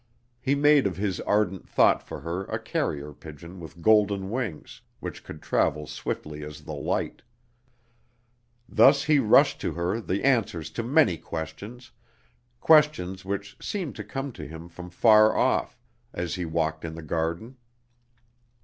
He made of his ardent thought for her a carrier pigeon with golden wings, which could travel swiftly as the light. Thus he rushed to her the answers to many questions, questions which seemed to come to him from far off, as he walked in the garden.